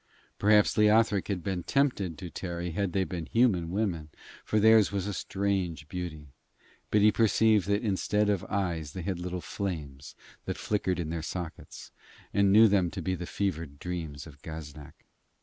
Perhaps Leothric had been tempted to tarry had they been human women, for theirs was a strange beauty, but he perceived that instead of eyes they had little flames that flickered in their sockets, and knew them to be the fevered dreams of Gaznak.